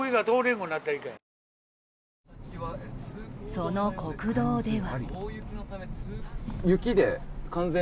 その国道では。